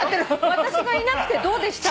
私がいなくてどうでした？